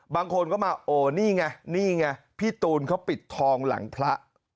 บางคนก็มาโอ้นี่ไงนี่ไงพี่ตูนเขาปิดทองหลังพระ